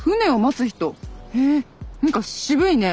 へえ何か渋いね。